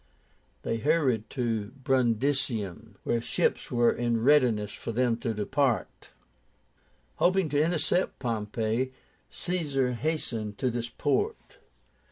They hurried to Brundisium, where ships were in readiness for them to depart. Hoping to intercept Pompey, Caesar hastened to this port.